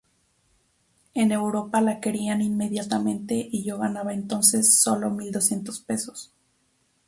En Europa la querían inmediatamente y yo ganaba entonces sólo mil doscientos pesos.